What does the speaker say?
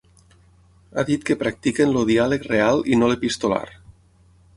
Ha dit que practiquin el ‘diàleg real i no l’epistolar’.